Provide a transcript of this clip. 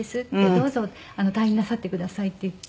「どうぞ退院なさってください」って言って。